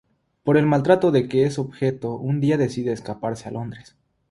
Por el maltrato de que es objeto, un día decide escaparse a Londres.